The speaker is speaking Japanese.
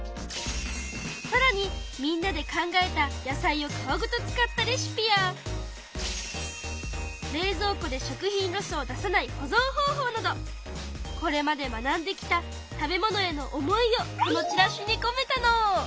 さらにみんなで考えた野菜を皮ごと使ったレシピや冷蔵庫で食品ロスを出さない保ぞん方法などこれまで学んできた食べ物への思いをこのチラシにこめたの！